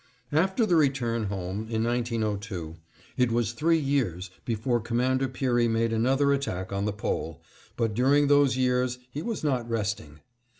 After the return home, in 1902, it was three years before Commander Peary made another attack on the Pole, but during those years he was not resting.